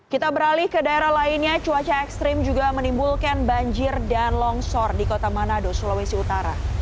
kita beralih ke daerah lainnya cuaca ekstrim juga menimbulkan banjir dan longsor di kota manado sulawesi utara